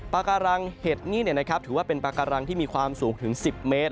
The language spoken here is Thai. ปากการังเห็ดนี่ถือว่าเป็นปากการังที่มีความสูงถึง๑๐เมตร